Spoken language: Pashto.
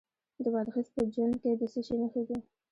د بادغیس په جوند کې د څه شي نښې دي؟